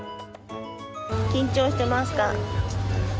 緊張してますか？